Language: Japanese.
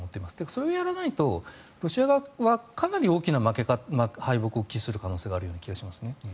それをやらないとロシア側はかなり大きな敗北を喫する可能性があると思いますね。